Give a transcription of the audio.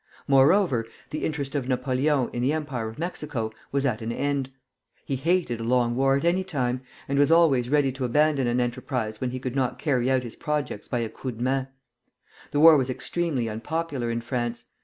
Moreover, the interest of Napoleon in the empire of Mexico was at an end. He hated a long war at any time, and was always ready to abandon an enterprise when he could not carry out his projects by a coup de main. The war was extremely unpopular in France.